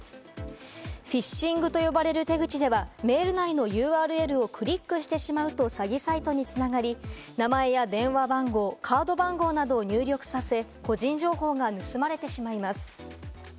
フィッシングと呼ばれる手口では、メール内のＵＲＬをクリックしてしまうと詐欺サイトにつながり、名前や電話番号、カード番号などを入力させ、個人情報が盗まれてしまいます。